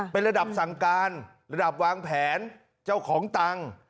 เป็นระดับสั่งการระดับวางแผนเจ้าของตังค์